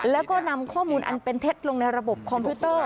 แล้วก็นำข้อมูลอันเป็นเท็จลงในระบบคอมพิวเตอร์